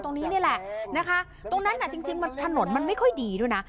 ตรงนี้นี่แหละนะคะตรงนั้นน่ะจริงมันถนนมันไม่ค่อยดีด้วยนะ